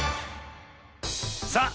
さあ